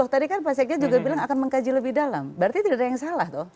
tadi kan pak sekjen juga bilang akan mengkaji lebih dalam berarti tidak ada yang salah tuh